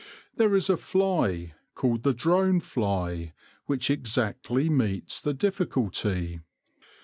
There is a fly, called the drone fly, which exactly meets the difficulty.